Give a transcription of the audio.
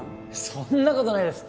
そんなことないです。